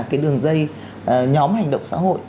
cái đường dây nhóm hành động xã hội